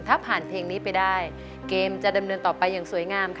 ถ้าผ่านเพลงนี้ไปได้เกมจะดำเนินต่อไปอย่างสวยงามค่ะ